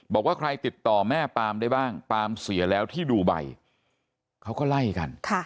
บอกว่าใครติดต่อแม่ปามได้บ้างปาล์มเสียแล้วที่ดูใบเขาก็ไล่กัน